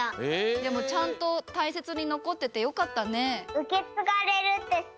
でもちゃんとたいせつにのこっててよかったね。